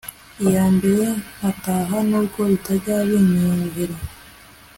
iyambere nkataha nubwo bitajya binyorohera